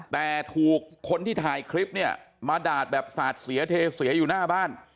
แต่ถูกคนที่ถ่ายคลิปเนี่ยมาด่าแบบสาดเสียเทเสียอยู่หน้าบ้าน